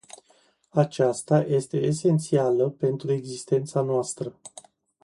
Aceasta este esențială pentru existența noastră.